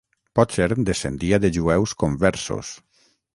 Potser descendia de jueus conversos.